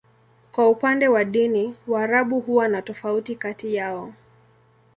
Kwa upande wa dini, Waarabu huwa na tofauti kati yao.